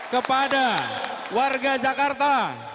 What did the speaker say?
kepada warga jakarta